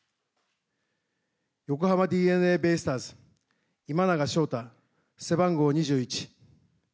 横浜ＤｅＮＡベイスターズ今永昇太、背番号２１。